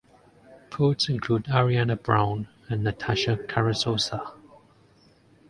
Poets include Ariana Brown and Natasha Carrizosa.